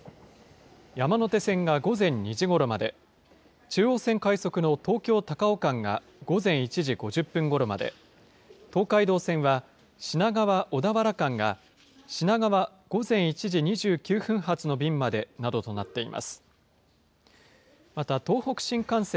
山手線が午前２時ごろまで、中央線快速の東京・高尾間が午前１時５０分ごろまで、東海道線は品川・小田原間が、品川午前１時２９分発の便までなどとなっています。